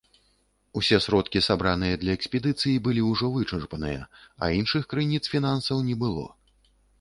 Усе сродкі, сабраныя для экспедыцыі, былі ўжо вычарпаныя, а іншых крыніц фінансаў не было.